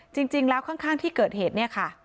จริงแล้วข้างที่เกิดเหตุเนี่ยค่ะ